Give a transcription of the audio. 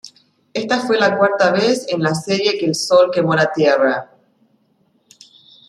Esta fue la cuarta vez en la serie que el Sol quemó la Tierra.